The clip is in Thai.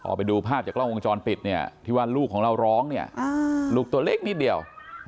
พอไปดูภาพจากกล้องวงจรปิดเนี่ยที่ว่าลูกของเราร้องเนี่ยลูกตัวเล็กนิดเดียว